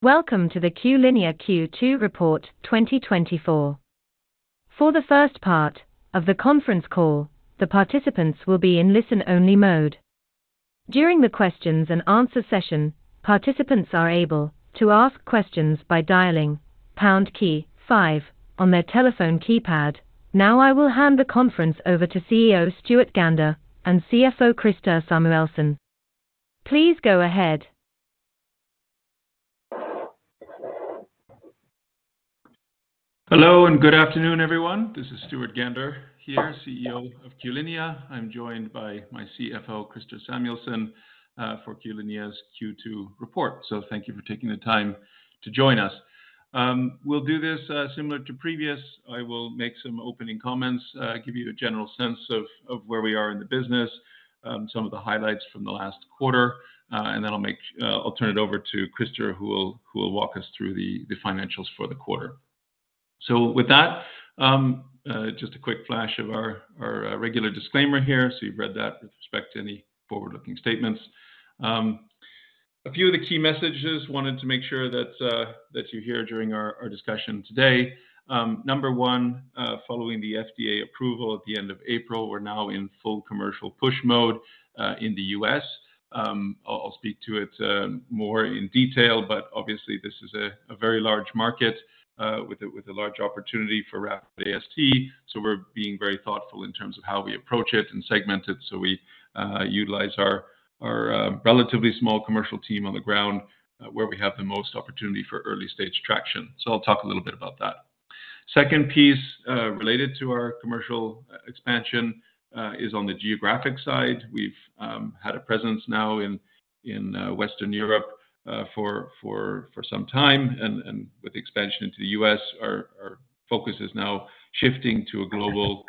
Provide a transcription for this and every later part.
Welcome to the Q-linea Q2 Report 2024. For the first part of the conference call, the participants will be in listen-only mode. During the questions and answer session, participants are able to ask questions by dialing pound key five on their telephone keypad. Now, I will hand the conference over to CEO, Stuart Gander, and CFO, Christer Samuelsson. Please go ahead. Hello, and good afternoon, everyone. This is Stuart Gander here, CEO of Q-linea. I'm joined by my CFO, Christer Samuelsson, for Q-linea's Q2 report. So thank you for taking the time to join us. We'll do this, similar to previous. I will make some opening comments, give you a general sense of where we are in the business, some of the highlights from the last quarter, and then I'll turn it over to Christer, who will walk us through the financials for the quarter. So with that, just a quick flash of our regular disclaimer here. So you've read that with respect to any forward-looking statements. A few of the key messages wanted to make sure that you hear during our discussion today. Number one, following the FDA approval at the end of April, we're now in full commercial push mode in the US. I'll speak to it more in detail, but obviously, this is a very large market with a large opportunity for Rapid AST. So we're being very thoughtful in terms of how we approach it and segment it. So we utilize our relatively small commercial team on the ground where we have the most opportunity for early-stage traction. So I'll talk a little bit about that. Second piece related to our commercial expansion is on the geographic side. We've had a presence now in Western Europe for some time, and with expansion into the U.S., our focus is now shifting to a global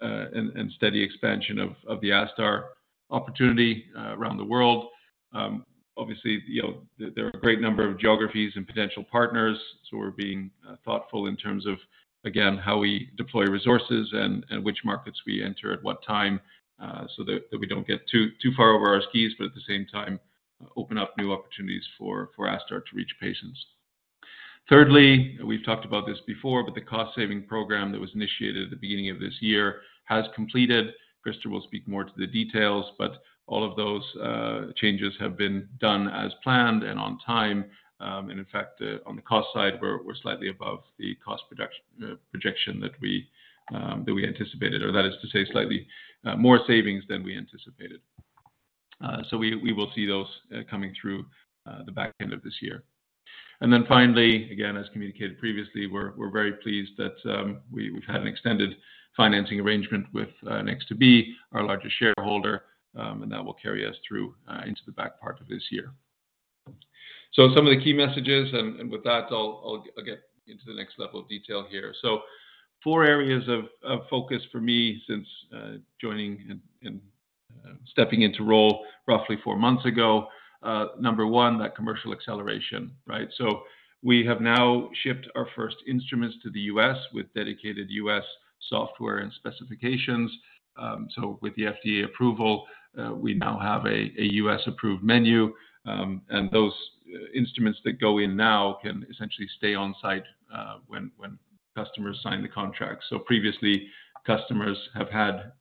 and steady expansion of the ASTar opportunity around the world. Obviously, you know, there are a great number of geographies and potential partners, so we're being thoughtful in terms of, again, how we deploy resources and which markets we enter at what time, so that we don't get too far over our skis, but at the same time, open up new opportunities for ASTar to reach patients. Thirdly, we've talked about this before, but the cost-saving program that was initiated at the beginning of this year has completed. Christer will speak more to the details, but all of those changes have been done as planned and on time. And in fact, on the cost side, we're slightly above the cost project projection that we anticipated, or that is to say, slightly more savings than we anticipated. So we will see those coming through the back end of this year. And then finally, again, as communicated previously, we're very pleased that we've had an extended financing arrangement with Nexttobe, our largest shareholder, and that will carry us through into the back part of this year. So some of the key messages, and with that, I'll get into the next level of detail here. So four areas of focus for me since joining and stepping into role roughly four months ago. Number one, that commercial acceleration, right? So we have now shipped our first instruments to the US with dedicated US software and specifications. So with the FDA approval, we now have a US-approved menu, and those instruments that go in now can essentially stay on site, when customers sign the contract. So previously, customers have had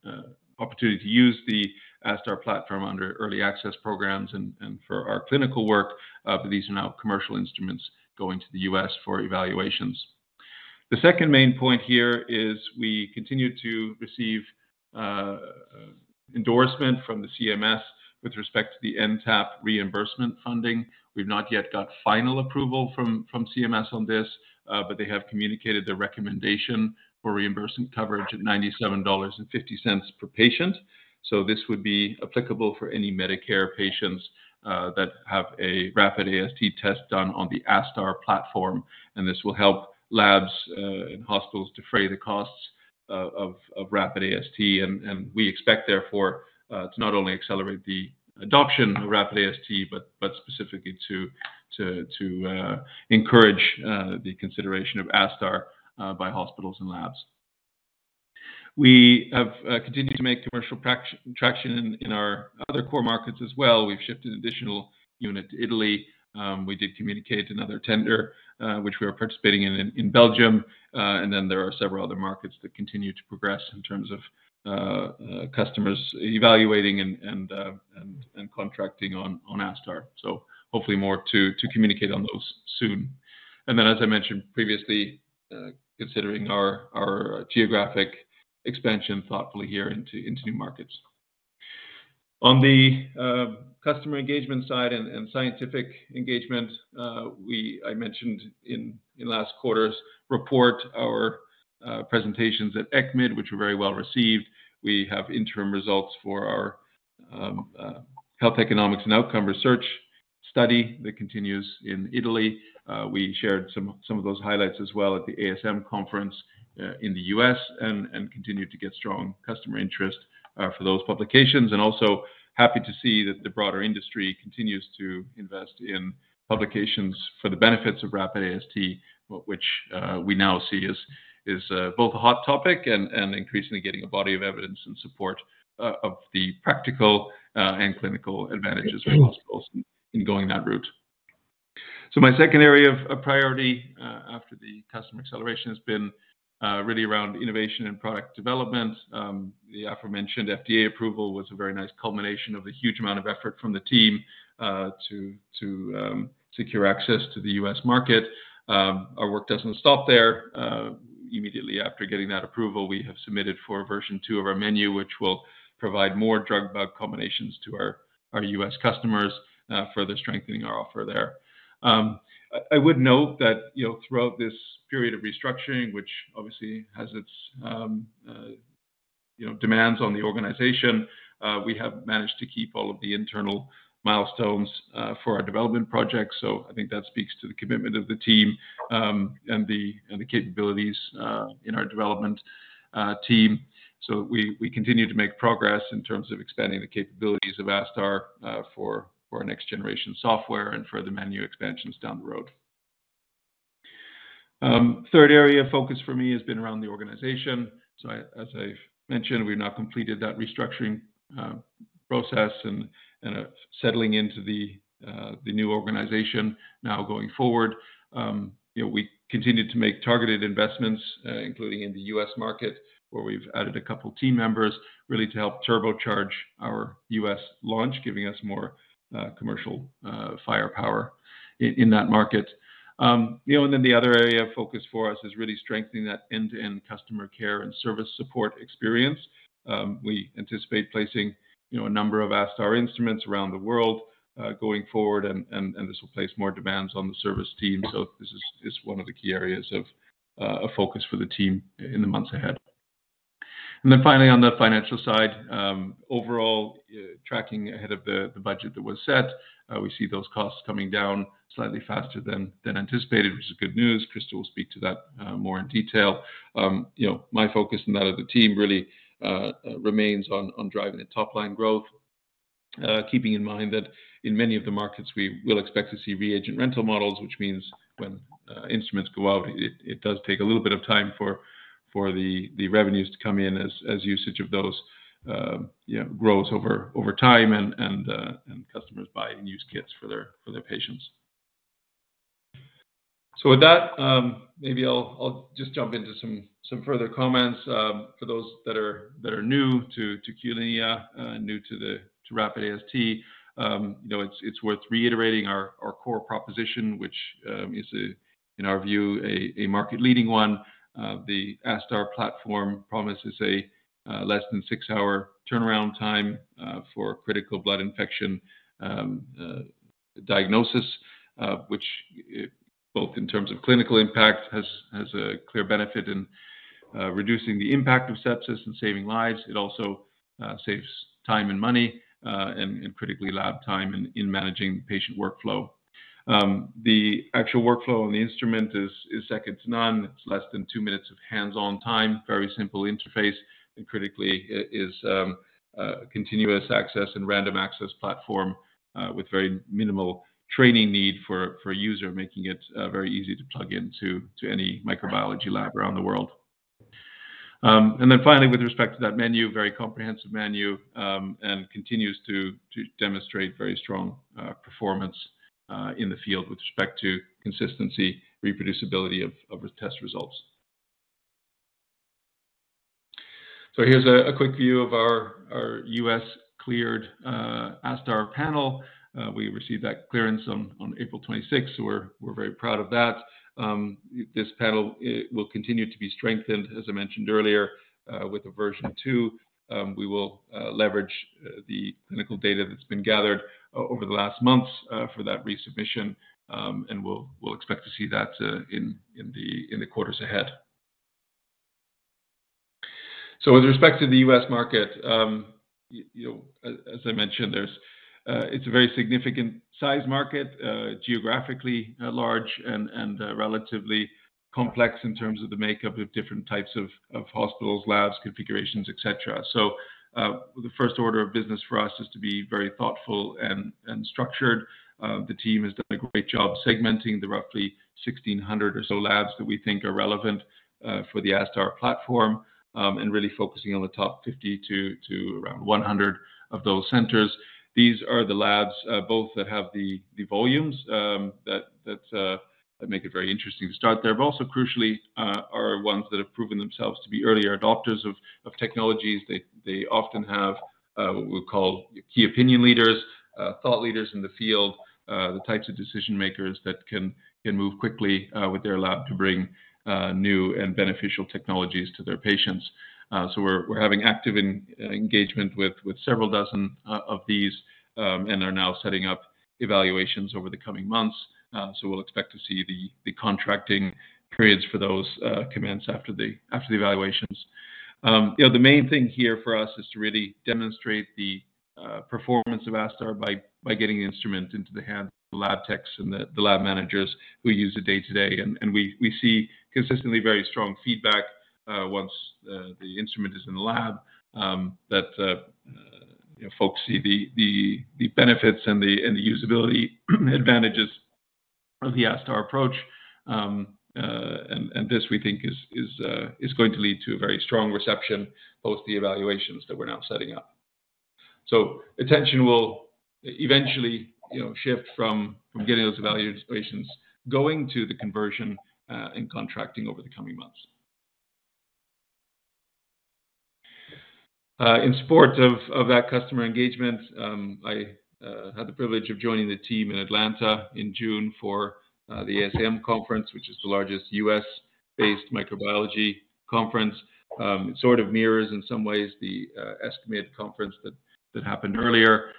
opportunity to use the ASTar platform under early access programs and for our clinical work, but these are now commercial instruments going to the US for evaluations. The second main point here is we continue to receive endorsement from the CMS with respect to the NTAP reimbursement funding. We've not yet got final approval from CMS on this, but they have communicated their recommendation for reimbursement coverage at $97.50 per patient. So this would be applicable for any Medicare patients that have a Rapid AST test done on the ASTar platform, and this will help labs and hospitals defray the costs of Rapid AST. And we expect, therefore, to not only accelerate the adoption of Rapid AST, but specifically to encourage the consideration of ASTar by hospitals and labs. We have continued to make commercial traction in our other core markets as well. We've shipped an additional unit to Italy. We did communicate another tender, which we are participating in, in Belgium. And then there are several other markets that continue to progress in terms of customers evaluating and contracting on ASTar. So hopefully more to communicate on those soon. And then, as I mentioned previously, considering our geographic expansion thoughtfully here into new markets. On the customer engagement side and scientific engagement, we... I mentioned in last quarter's report, our presentations at ECCMID, which were very well-received. We have interim results for our health economics and outcome research study that continues in Italy. We shared some of those highlights as well at the ASM conference in the US, and continued to get strong customer interest for those publications. Also happy to see that the broader industry continues to invest in publications for the benefits of Rapid AST, which we now see is both a hot topic and increasingly getting a body of evidence and support of the practical and clinical advantages for hospitals in going that route. So my second area of priority after the customer acceleration has been really around innovation and product development. The aforementioned FDA approval was a very nice culmination of the huge amount of effort from the team to secure access to the U.S. market. Our work doesn't stop there. Immediately after getting that approval, we have submitted for version two of our menu, which will provide more drug-bug combinations to our U.S. customers, further strengthening our offer there. I would note that, you know, throughout this period of restructuring, which obviously has its, you know, demands on the organization, we have managed to keep all of the internal milestones for our development projects. So I think that speaks to the commitment of the team, and the capabilities in our development team. So we continue to make progress in terms of expanding the capabilities of ASTar for our next generation software and further menu expansions down the road. Third area of focus for me has been around the organization. So as I've mentioned, we've now completed that restructuring process and are settling into the new organization now going forward. You know, we continued to make targeted investments, including in the U.S. market, where we've added a couple team members really to help turbocharge our U.S. launch, giving us more commercial firepower in that market. You know, and then the other area of focus for us is really strengthening that end-to-end customer care and service support experience. We anticipate placing, you know, a number of ASTar instruments around the world, going forward, and this will place more demands on the service team. So this is one of the key areas of a focus for the team in the months ahead. And then finally, on the financial side, overall, tracking ahead of the budget that was set, we see those costs coming down slightly faster than anticipated, which is good news. Christer will speak to that, more in detail. You know, my focus and that of the team really remains on driving the top-line growth, keeping in mind that in many of the markets, we will expect to see reagent rental models, which means when instruments go out, it does take a little bit of time for the revenues to come in as usage of those, you know, grows over time and customers buy and use kits for their patients. So with that, maybe I'll just jump into some further comments for those that are new to Q-linea, new to the... to Rapid AST. You know, it's worth reiterating our core proposition, which is in our view, a market-leading one. The ASTar platform promises a less than 6-hour turnaround time for critical blood infection diagnosis, which both in terms of clinical impact has a clear benefit in reducing the impact of sepsis and saving lives. It also saves time and money, and critically, lab time in managing patient workflow. The actual workflow on the instrument is second to none. It's less than two minutes of hands-on time, very simple interface, and critically, is a continuous access and random access platform with very minimal training need for a user, making it very easy to plug into any microbiology lab around the world. And then finally, with respect to that menu, very comprehensive menu, and continues to demonstrate very strong performance in the field with respect to consistency, reproducibility of the test results. So here's a quick view of our U.S. cleared ASTar panel. We received that clearance on April 26th. So we're very proud of that. This panel, it will continue to be strengthened, as I mentioned earlier, with the version two. We will leverage the clinical data that's been gathered over the last months for that resubmission, and we'll expect to see that in the quarters ahead. So with respect to the U.S. market, you know, as I mentioned, there's... It's a very significant size market, geographically at large and relatively complex in terms of the makeup of different types of hospitals, labs, configurations, et cetera. So, the first order of business for us is to be very thoughtful and structured. The team has done a great job segmenting the roughly 1,600 or so labs that we think are relevant for the ASTar platform and really focusing on the top 50 to around 100 of those centers. These are the labs both that have the volumes that make it very interesting to start there, but also crucially are ones that have proven themselves to be earlier adopters of technologies. They often have what we call key opinion leaders, thought leaders in the field, the types of decision-makers that can move quickly with their lab to bring new and beneficial technologies to their patients. So we're having active engagement with several dozen of these and are now setting up evaluations over the coming months. So we'll expect to see the contracting periods for those commence after the evaluations. You know, the main thing here for us is to really demonstrate the performance of ASTar by getting the instrument into the hands of the lab techs and the lab managers who use it day-to-day. We see consistently very strong feedback once the instrument is in the lab that you know folks see the benefits and the usability advantages of the ASTar approach. And this we think is going to lead to a very strong reception both the evaluations that we're now setting up. So attention will eventually you know shift from getting those values to patients going to the conversion and contracting over the coming months. In support of that customer engagement I had the privilege of joining the team in Atlanta in June for the ASM conference which is the largest U.S.-based microbiology conference. It sort of mirrors in some ways the ESCMID conference that happened earlier.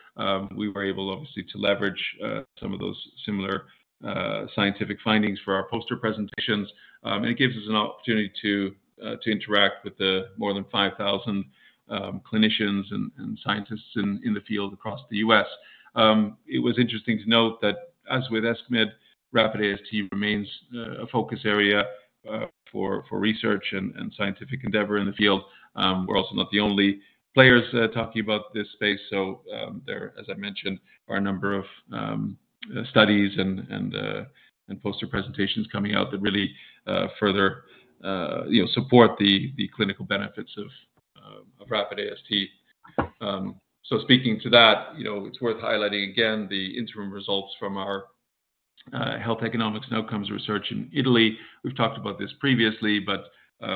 We were able, obviously, to leverage some of those similar scientific findings for our poster presentations. It gives us an opportunity to interact with the more than 5,000 clinicians and scientists in the field across the U.S. It was interesting to note that as with ESCMID, rapid AST remains a focus area for research and scientific endeavor in the field. We're also not the only players talking about this space, so there, as I mentioned, are a number of studies and poster presentations coming out that really further, you know, support the clinical benefits of rapid AST. So speaking to that, you know, it's worth highlighting again, the interim results from our health economics and outcomes research in Italy. We've talked about this previously, but,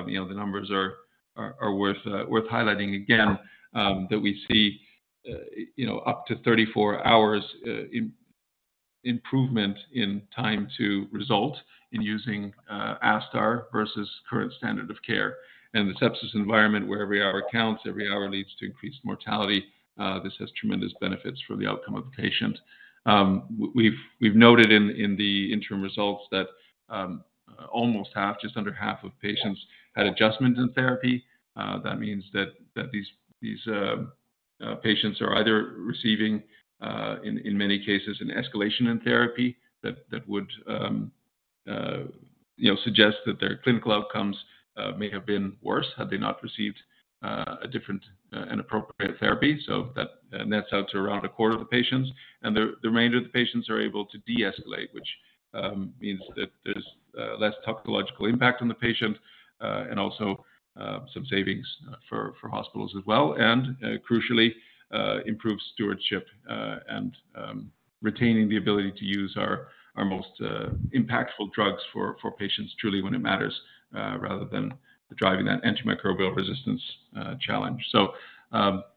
you know, the numbers are worth highlighting again. That we see, you know, up to 34 hours improvement in time to result in using ASTar versus current standard of care. And the sepsis environment, where every hour counts, every hour leads to increased mortality, this has tremendous benefits for the outcome of the patient. We've noted in the interim results that almost half, just under half of patients had adjustments in therapy. That means that these patients are either receiving, in many cases, an escalation in therapy that would, you know, suggest that their clinical outcomes may have been worse had they not received a different and appropriate therapy. So that, and that's out to around a quarter of the patients. And the remainder of the patients are able to deescalate, which means that there's less toxicological impact on the patient, and also some savings for hospitals as well, and crucially, improved stewardship, and retaining the ability to use our most impactful drugs for patients truly when it matters, rather than driving that antimicrobial resistance challenge. So,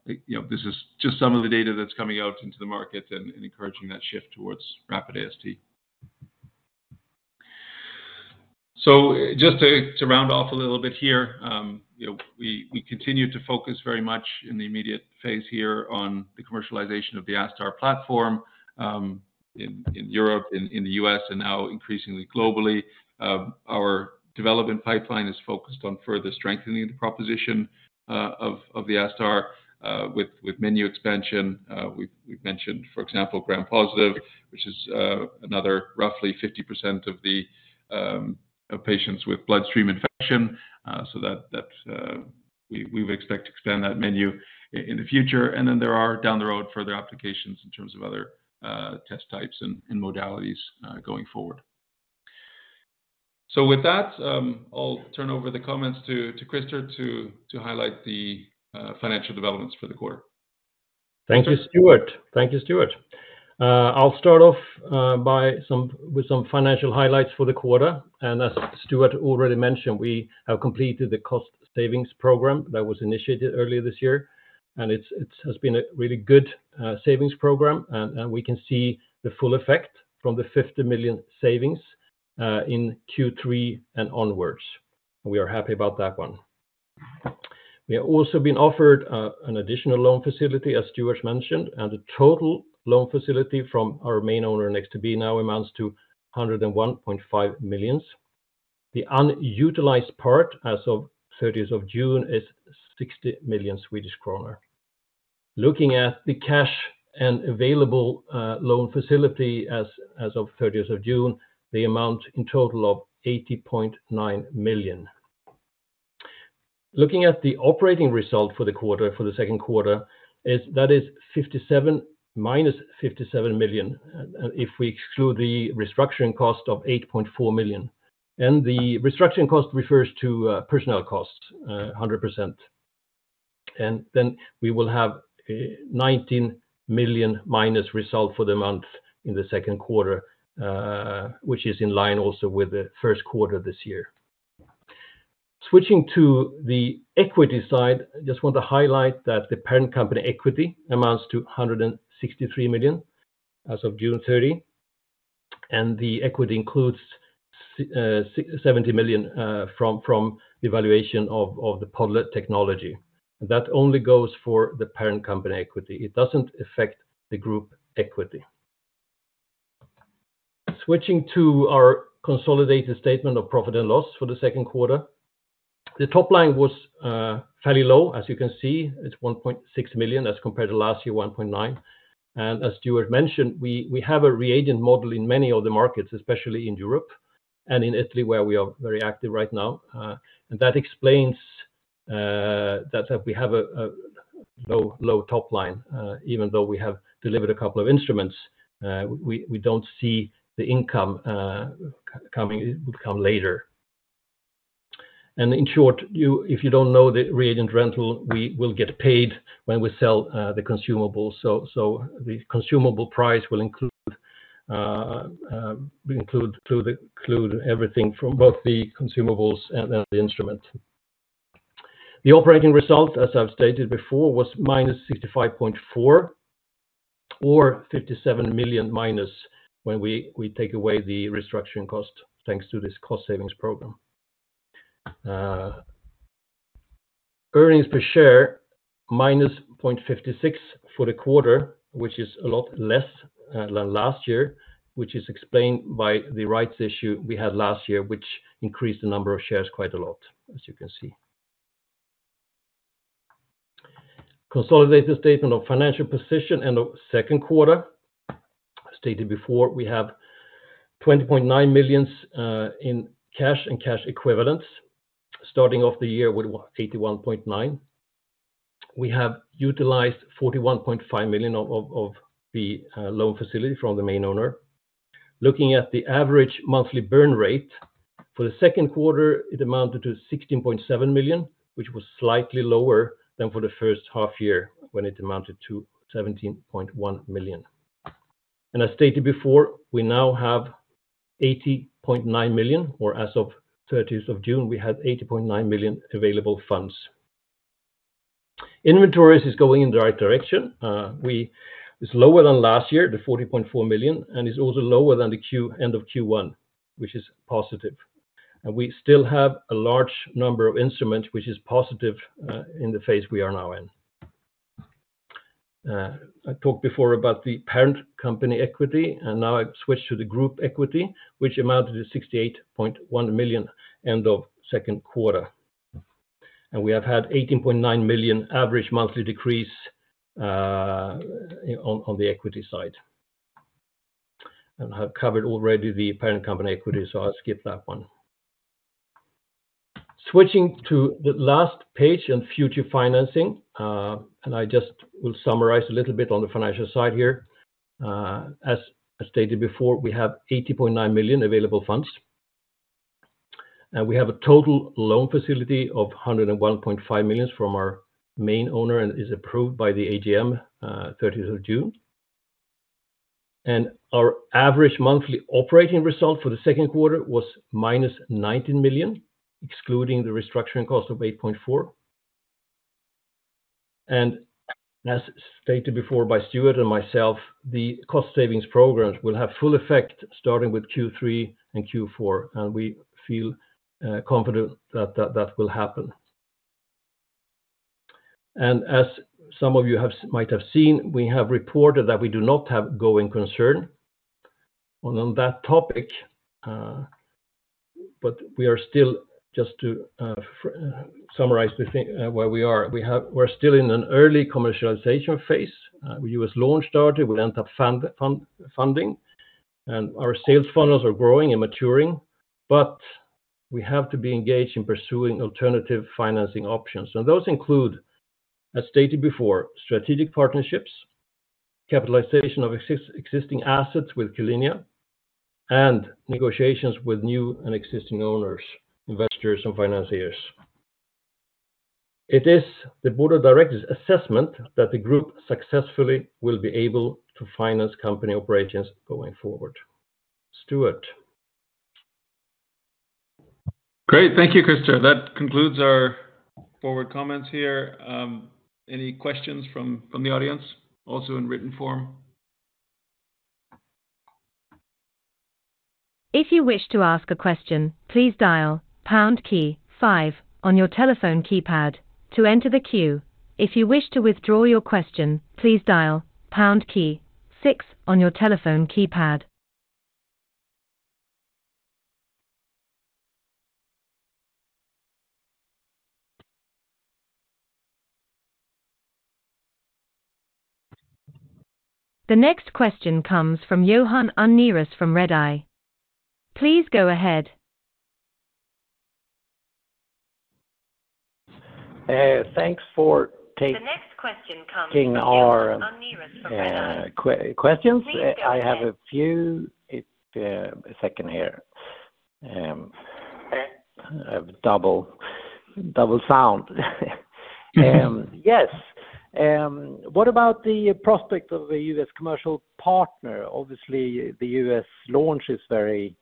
you know, this is just some of the data that's coming out into the market and encouraging that shift towards rapid AST. So just to round off a little bit here, you know, we continue to focus very much in the immediate phase here on the commercialization of the ASTar platform, in the US, and now increasingly globally. Our development pipeline is focused on further strengthening the proposition of the ASTar with menu expansion. We've mentioned, for example, Gram-positive, which is another roughly 50% of the of patients with bloodstream infection. So that we would expect to expand that menu in the future. And then there are, down the road, further applications in terms of other test types and modalities going forward. So with that, I'll turn over the comments to Christer to highlight the financial developments for the quarter. Thank you, Stuart. Thank you, Stuart. I'll start off with some financial highlights for the quarter. As Stuart already mentioned, we have completed the cost savings program that was initiated earlier this year, and it's, it's has been a really good savings program, and we can see the full effect from the 50 million savings in Q3 and onwards. We are happy about that one. We have also been offered an additional loan facility, as Stuart mentioned, and the total loan facility from our main owner, Nexttobe, now amounts to 101.5 million. The unutilized part, as of thirtieth of June, is 60 million Swedish kronor. Looking at the cash and available loan facility as of thirtieth of June, the amount in total of 80.9 million. Looking at the operating result for the quarter, for the second quarter, is that is -57 million SEK, if we exclude the restructuring cost of 8.4 million. The restructuring cost refers to personnel costs, hundred percent. Then we will have a -19 million SEK result for the month in the second quarter, which is in line also with the first quarter this year. Switching to the equity side, I just want to highlight that the parent company equity amounts to 163 million SEK as of June 30, and the equity includes 70 million SEK from the valuation of the padlock technology. That only goes for the parent company equity. It doesn't affect the group equity. Switching to our consolidated statement of profit and loss for the second quarter. The top line was fairly low. As you can see, it's 1.6 million as compared to last year, 1.9 million. As Stuart mentioned, we have a reagent model in many of the markets, especially in Europe and in Italy, where we are very active right now. And that explains that we have a low top line. Even though we have delivered a couple of instruments, we don't see the income coming. It will come later. In short, if you don't know the reagent rental, we will get paid when we sell the consumables. So the consumable price will include everything from both the consumables and the instrument. The operating result, as I've stated before, was -65.4 million or -57 million when we take away the restructuring cost, thanks to this cost savings program. Earnings per share -0.56 for the quarter, which is a lot less than last year, which is explained by the rights issue we had last year, which increased the number of shares quite a lot, as you can see. Consolidated statement of financial position in the second quarter. As stated before, we have 20.9 million in cash and cash equivalents, starting off the year with 81.9 million. We have utilized 41.5 million of the loan facility from the main owner. Looking at the average monthly burn rate, for the second quarter, it amounted to 16.7 million, which was slightly lower than for the first half year, when it amounted to 17.1 million. As stated before, we now have 80.9 million, or as of thirtieth of June, we had 80.9 million available funds. Inventories is going in the right direction. We—it's lower than last year, the 40.4 million, and is also lower than the end of Q1, which is positive. And we still have a large number of instruments, which is positive, in the phase we are now in. I talked before about the parent company equity, and now I've switched to the group equity, which amounted to 68.1 million end of second quarter. We have had 18.9 million average monthly decrease on the equity side. I've covered already the parent company equity, so I'll skip that one. Switching to the last page on future financing, and I just will summarize a little bit on the financial side here. As stated before, we have 80.9 million available funds. We have a total loan facility of 101.5 million from our main owner, and is approved by the AGM, 30th of June. Our average monthly operating result for the second quarter was -19 million, excluding the restructuring cost of 8.4 million. As stated before by Stuart and myself, the cost savings programs will have full effect starting with Q3 and Q4, and we feel confident that that will happen. As some of you might have seen, we have reported that we do not have going concern on that topic, but we are still, just to summarize the thing, where we are. We're still in an early commercialization phase. US launch started, we went up funding, and our sales funnels are growing and maturing, but we have to be engaged in pursuing alternative financing options. So those include, as stated before, strategic partnerships, capitalization of existing assets with Q-linea, and negotiations with new and existing owners, investors, and financiers. It is the board of directors' assessment that the group successfully will be able to finance company operations going forward. Stuart? Great. Thank you, Christer. That concludes our forward comments here. Any questions from the audience, also in written form? If you wish to ask a question, please dial pound key five on your telephone keypad to enter the queue. If you wish to withdraw your question, please dial pound key six on your telephone keypad. The next question comes from Johan Unnerus from Redeye. Please go ahead. Thanks for taking- The next question comes from Johan Unnerus from Redeye. our questions. Please go ahead. I have a few. It, a second here. I have double sound. Yes, what about the prospect of a U.S. commercial partner? Obviously, the U.S. launch is very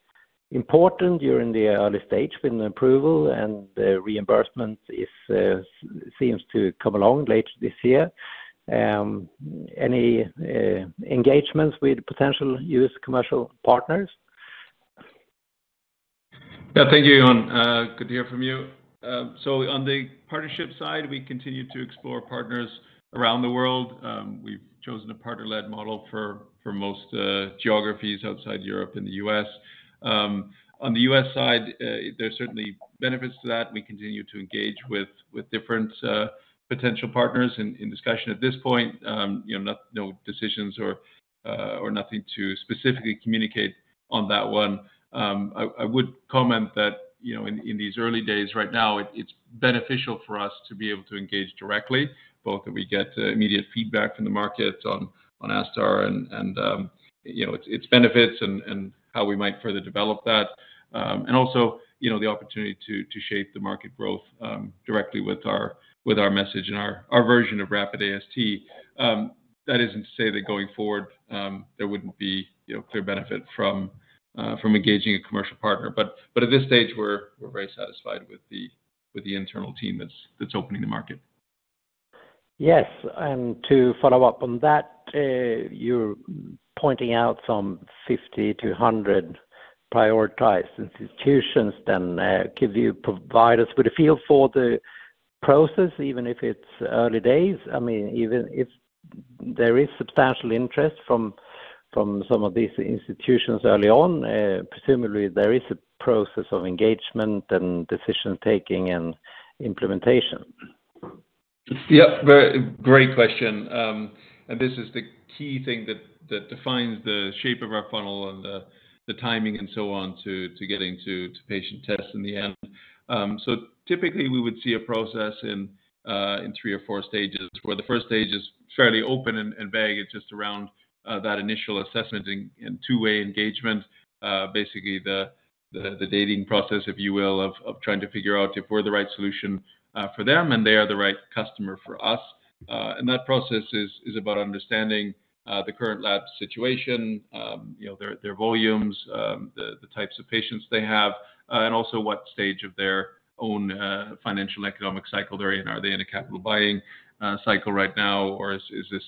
important during the early stage with approval, and the reimbursement is, seems to come along later this year. Any engagements with potential U.S. commercial partners? Yeah, thank you, Johan. Good to hear from you. So on the partnership side, we continue to explore partners around the world. We've chosen a partner-led model for most geographies outside Europe and the U.S. On the U.S. side, there are certainly benefits to that. We continue to engage with different potential partners in discussion at this point. You know, no decisions or nothing to specifically communicate on that one. I would comment that, you know, in these early days, right now, it's beneficial for us to be able to engage directly, both that we get immediate feedback from the market on ASTar and, you know, its benefits and how we might further develop that. And also, you know, the opportunity to shape the market growth directly with our message and our version of Rapid AST. That isn't to say that going forward, there wouldn't be, you know, clear benefit from engaging a commercial partner. But at this stage, we're very satisfied with the internal team that's opening the market. Yes, and to follow up on that, you're pointing out some 50-100 prioritized institutions, then, can you provide us with a feel for the process, even if it's early days? I mean, even if there is substantial interest from, from some of these institutions early on, presumably there is a process of engagement and decision-taking and implementation. Yeah, very great question. And this is the key thing that defines the shape of our funnel and the timing and so on, to getting to patient tests in the end. So typically, we would see a process in three or four stages, where the first stage is fairly open and vague. It's just around that initial assessment and two-way engagement. Basically, the dating process, if you will, of trying to figure out if we're the right solution for them, and they are the right customer for us. And that process is about understanding the current lab situation, you know, their volumes, the types of patients they have, and also what stage of their own financial economic cycle they're in. Are they in a capital buying cycle right now, or is, is this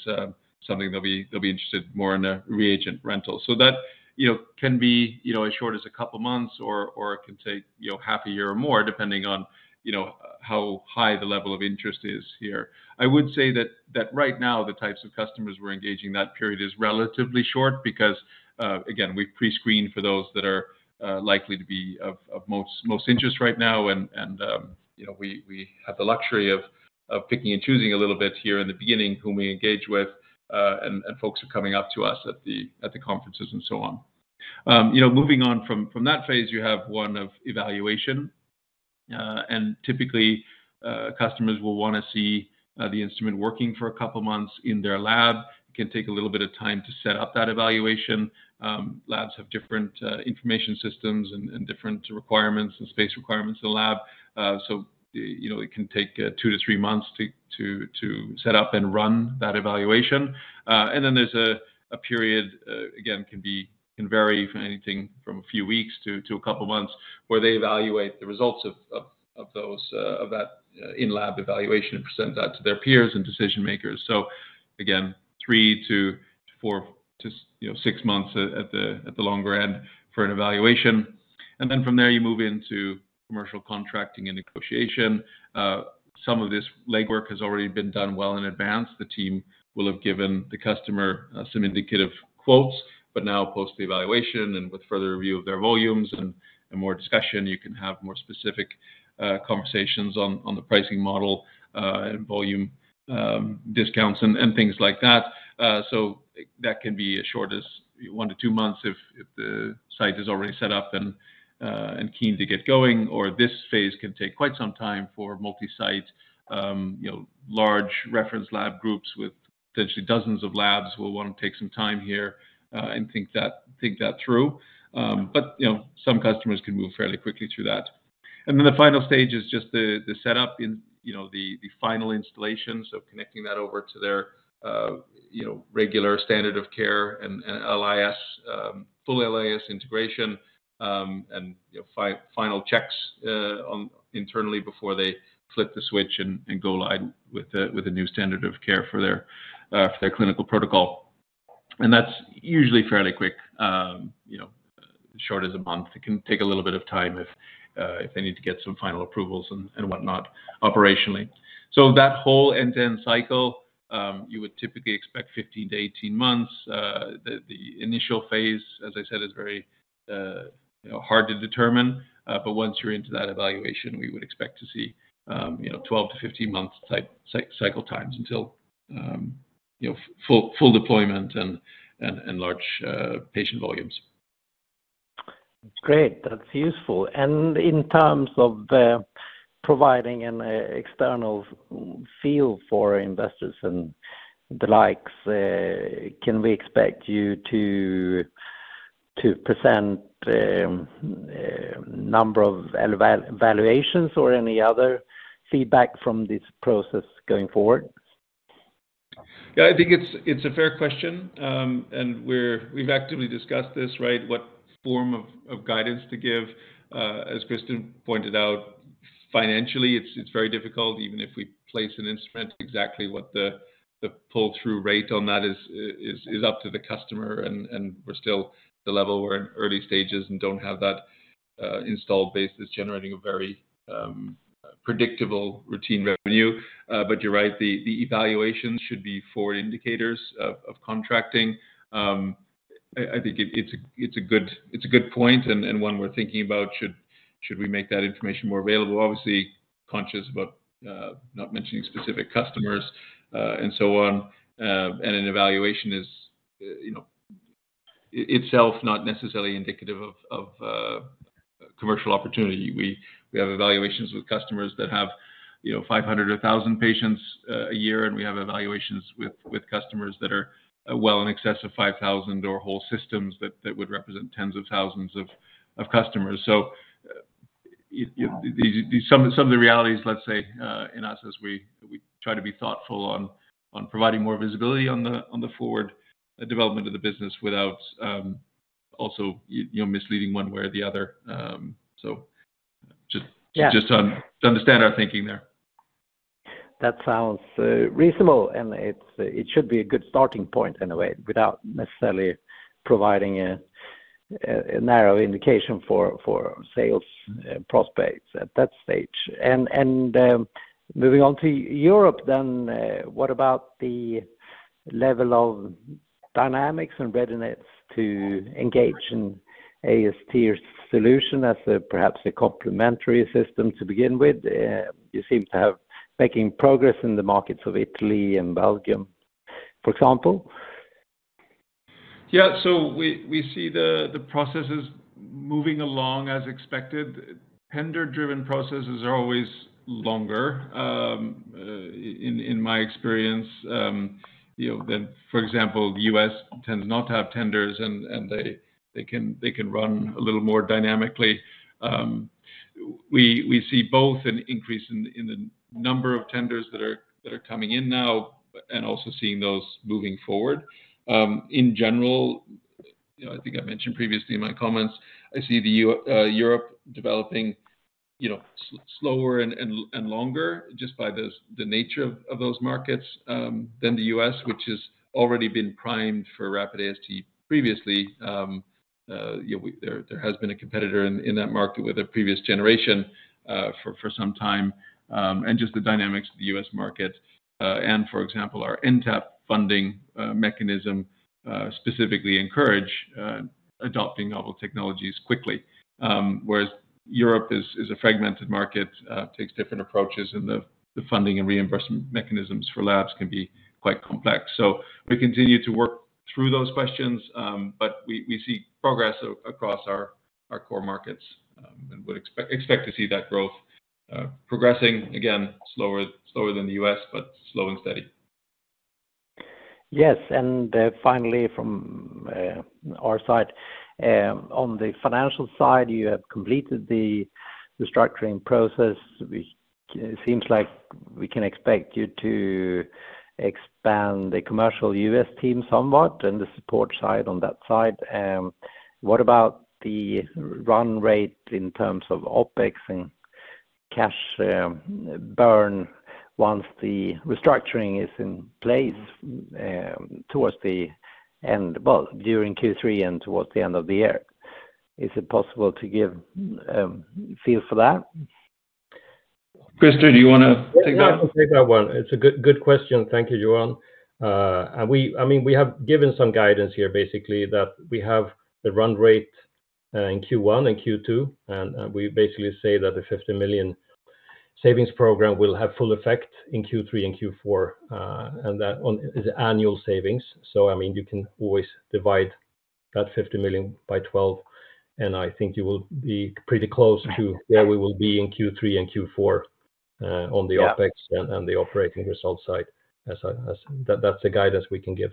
something they'll be—they'll be interested more in a reagent rental? So that, you know, can be, you know, as short as a couple of months, or, or it can take, you know, half a year or more, depending on, you know, how high the level of interest is here. I would say that, that right now, the types of customers we're engaging, that period is relatively short because, again, we've pre-screened for those that are, likely to be of, of most, most interest right now. And, and, you know, we, we have the luxury of, of picking and choosing a little bit here in the beginning, whom we engage with, and, and folks are coming up to us at the, at the conferences and so on. You know, moving on from that phase, you have one of evaluation. And typically, customers will wanna see the instrument working for a couple of months in their lab. It can take a little bit of time to set up that evaluation. Labs have different information systems and different requirements and space requirements in the lab. So, you know, it can take 2-3 months to set up and run that evaluation. And then there's a period, again, can vary from a few weeks to a couple of months, where they evaluate the results of that in-lab evaluation and present that to their peers and decision-makers. So again, 3-6 months at the longer end for an evaluation. And then from there, you move into commercial contracting and negotiation. Some of this legwork has already been done well in advance. The team will have given the customer some indicative quotes, but now post the evaluation and with further review of their volumes and more discussion, you can have more specific conversations on the pricing model and volume discounts and things like that. So that can be as short as one to two months if the site is already set up and keen to get going, or this phase can take quite some time for multi-site, you know, large reference lab groups with potentially dozens of labs. They will want to take some time here and think that through. But, you know, some customers can move fairly quickly through that. And then the final stage is just the setup and, you know, the final installation. So connecting that over to their, you know, regular standard of care and LIS, full LIS integration, and, you know, final checks internally before they flip the switch and go live with a new standard of care for their clinical protocol. That's usually fairly quick, you know, short as a month. It can take a little bit of time if they need to get some final approvals and whatnot, operationally. So that whole end-to-end cycle, you would typically expect 15-18 months. The initial phase, as I said, is very, you know, hard to determine, but once you're into that evaluation, we would expect to see, you know, 12-15 months type cycle times until, you know, full deployment and large patient volumes. Great, that's useful. In terms of providing an external feel for investors and the likes, can we expect you to present number of evaluations or any other feedback from this process going forward? Yeah, I think it's a fair question, and we've actively discussed this, right? What form of guidance to give. As Christer pointed out, financially, it's very difficult. Even if we place an instrument, exactly what the pull-through rate on that is up to the customer, and we're still the level we're in early stages and don't have that installed base that's generating a very predictable routine revenue. But you're right, the evaluation should be for indicators of contracting. I think it's a good point, and one we're thinking about. Should we make that information more available? Obviously, conscious about not mentioning specific customers and so on, and an evaluation is, you know, itself not necessarily indicative of commercial opportunity. We have evaluations with customers that have, you know, 500 or 1,000 patients a year, and we have evaluations with customers that are well in excess of 5,000 or whole systems that would represent tens of thousands of customers. So, these, some of the realities, let's say, in the U.S. as we try to be thoughtful on providing more visibility on the forward development of the business without also, you know, misleading one way or the other. So just- Yeah Just to understand our thinking there. That sounds reasonable, and it should be a good starting point in a way, without necessarily providing a narrow indication for sales prospects at that stage. Moving on to Europe then, what about the level of dynamics and readiness to engage in AST solution as perhaps a complementary system to begin with? You seem to have making progress in the markets of Italy and Belgium, for example. Yeah. So we see the processes moving along as expected. Tender-driven processes are always longer. In my experience, you know, then, for example, the U.S. tends not to have tenders, and they can run a little more dynamically. We see both an increase in the number of tenders that are coming in now, and also seeing those moving forward. In general, you know, I think I mentioned previously in my comments, I see Europe developing, you know, slower and longer just by the nature of those markets, than the U.S., which has already been primed for rapid AST previously. You know, there has been a competitor in that market with a previous generation for some time. And just the dynamics of the US market, and for example, our NTAP funding mechanism specifically encourage adopting novel technologies quickly. Whereas Europe is a fragmented market, takes different approaches, and the funding and reimbursement mechanisms for labs can be quite complex. So we continue to work through those questions, but we see progress across our core markets, and would expect to see that growth progressing again, slower than the US, but slow and steady. Yes, and finally, from our side, on the financial side, you have completed the restructuring process, which seems like we can expect you to expand the commercial U.S. team somewhat and the support side on that side. What about the run rate in terms of OpEx and cash burn once the restructuring is in place, towards the end, well, during Q3 and towards the end of the year? Is it possible to give feel for that? Christer, do you want to take that? Yeah, I'll take that one. It's a good, good question. Thank you, Johan. And we—I mean, we have given some guidance here, basically, that we have the run rate in Q1 and Q2, and we basically say that the 50 million savings program will have full effect in Q3 and Q4, and that is annual savings. So, I mean, you can always divide that 50 million by twelve, and I think you will be pretty close to- Right - where we will be in Q3 and Q4, on the- Yeah OpEx and the operating results side. That's the guidance we can give.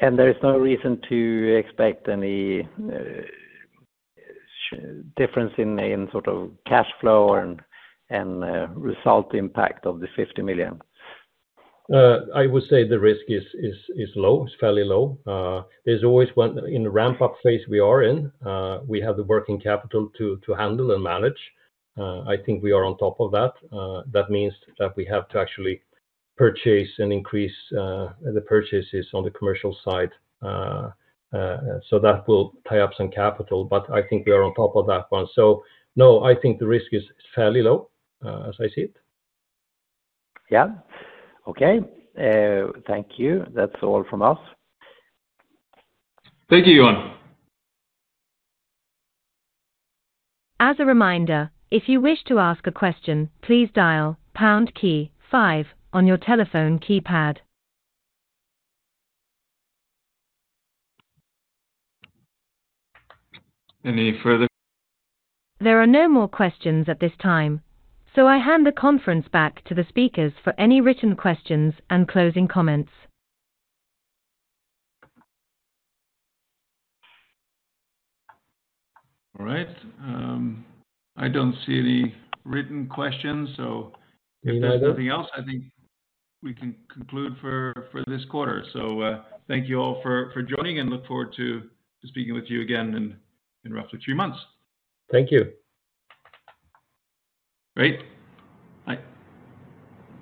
And there is no reason to expect any difference in sort of cash flow and result impact of the 50 million? I would say the risk is low, fairly low. There's always one in the ramp-up phase we are in, we have the working capital to handle and manage. I think we are on top of that. That means that we have to actually purchase and increase the purchases on the commercial side. So that will tie up some capital, but I think we are on top of that one. So no, I think the risk is fairly low, as I see it. Yeah. Okay. Thank you. That's all from us. Thank you, Johan. As a reminder, if you wish to ask a question, please dial pound key five on your telephone keypad. Any further- There are no more questions at this time, so I hand the conference back to the speakers for any written questions and closing comments. All right, I don't see any written questions, so- Me neither If there's nothing else, I think we can conclude for this quarter. So, thank you all for joining, and look forward to speaking with you again in roughly three months. Thank you. Great. Bye.